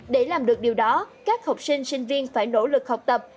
để làm được điều đó các học sinh sinh viên phải nỗ lực học tập